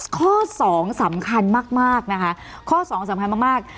ข้อสองสำคัญมากมากนะคะข้อสองสำคัญมากมาก